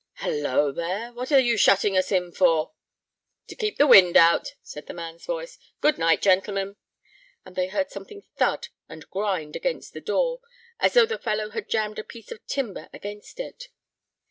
"Halloo, there, what are you shutting us in for?" "To keep the wind out," said the man's voice. "Good night, gentlemen," and they heard something thud and grind against the door, as though the fellow had jammed a piece of timber against it.